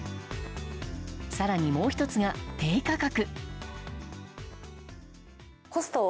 更に、もう１つが低価格。